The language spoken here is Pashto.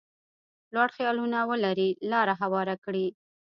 لوړ خیالونه ولري لاره هواره کړي.